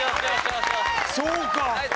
そうか！